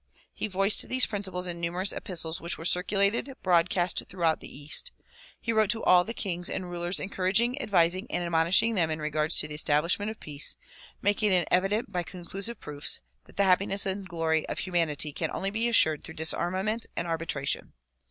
He voiced these principles in numerous epistles which were circulated broadcast throughout the east. He wrote to all the kings and rulers encouraging, advising and admonishing them in regard to the establishment of peace ; making it evident by conclusive proofs that the happiness and glory of humanity can only be assured through disarmament and arbitration.